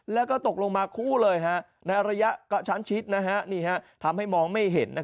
แล้วก็ตกลงมาคู่เลยในระยะกระชั้นชิดทำให้มองไม่เห็น